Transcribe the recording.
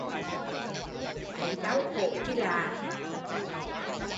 Thấy đau khổ chi lạ